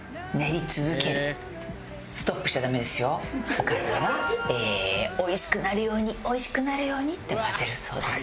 お母さんはおいしくなるようにおいしくなるようにって混ぜるそうです。